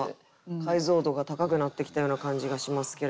解像度が高くなってきたような感じがしますけれども。